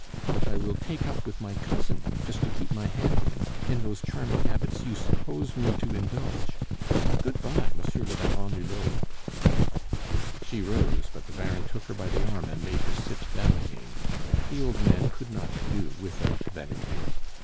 But I will take up with my cousin, just to keep my hand in, in those charming habits you suppose me to indulge. Good bye, Monsieur le Baron Hulot." She rose, but the Baron took her by the arm and made her sit down again. The old man could not do without Valerie.